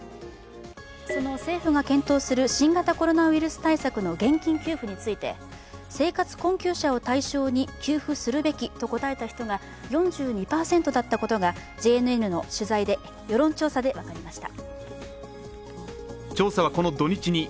その政府が検討する新型コロナウイルス対策の現金給付について生活困窮者を対象に給付するべきと答えた人が４２％だったことがＪＮＮの世論調査で分かりました。